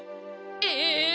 え！